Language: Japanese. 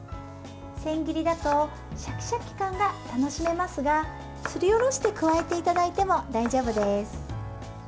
千切りだとシャキシャキ感が楽しめますがすりおろして加えていただいても大丈夫です。